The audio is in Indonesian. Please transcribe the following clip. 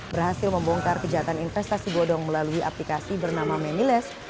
berhasil membongkar kejahatan investasi bodong melalui aplikasi bernama memiles